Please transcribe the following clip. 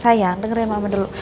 sayang dengerin mama dulu